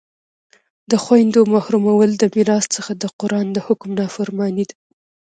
د خویندو محرومول د میراث څخه د قرآن د حکم نافرماني ده